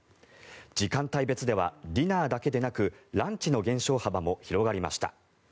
時間帯別ではディナーだけでなくランチの減少幅も広がりました。